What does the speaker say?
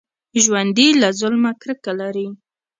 ژوندي له ظلمه کرکه لري